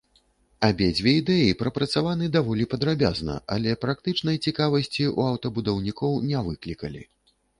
Абедзве ідэі прапрацаваны даволі падрабязна, але практычнай цікавасці ў аўтабудаўнікоў не выклікалі.